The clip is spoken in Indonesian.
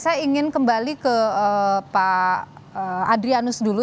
saya ingin kembali ke pak adrianus dulu